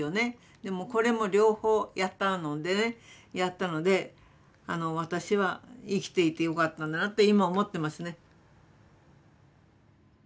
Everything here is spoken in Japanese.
でもこれも両方やったのでねやったので私は生きていてよかったなと今思ってますね。